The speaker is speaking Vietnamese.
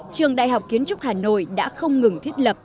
trường đại học kiến trúc hà nội đã không ngừng thiết lập